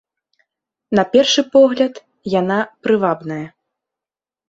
На першы погляд, яна прывабная.